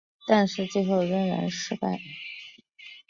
但是最后仍然失败。